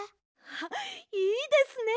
あいいですね！